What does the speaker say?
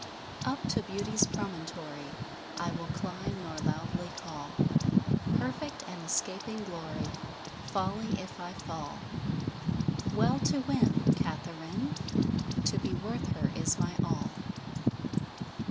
Uppe to Beautie's promontory I will climb, nor loudlie call Perfect and escaping glory Folly, if I fall: Well to winne Katheryn! To be worth her is my all.